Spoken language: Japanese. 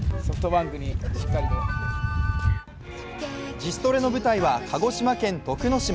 自主トレの舞台は鹿児島県徳之島。